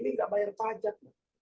tidak bayar pajak